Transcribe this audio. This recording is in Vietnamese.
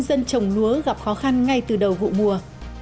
thừa thiên huế nông dân trồng lúa gặp khó khăn ngay từ đầu vụ mùa